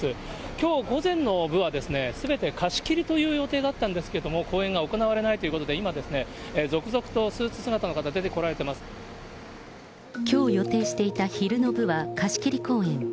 きょう午前の部はすべて貸し切りという予定だったんですけれども、公演が行われないということで、今、続々とスーツ姿の方、きょう予定していた昼の部は、貸し切り公演。